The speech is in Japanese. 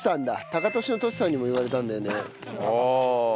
タカトシのトシさんにも言われたんだよね。